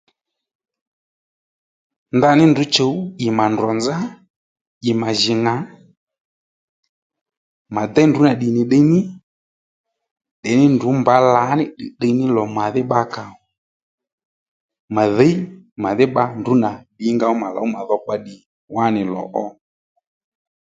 Ndaní ndrǔ chǔw ì mà ndrò nzá ì mà jì ŋà mà déy ndrǔ nà ddì nì ddiy ní ndèymí ndrǔ mbǎ làní ddiyddiy ní lò mà dhí bba kà ò mà dhǐy mà dhí bba ndrǔ nà ddìnga ó mà lòw mà dhokpa ddì wá nì lò ó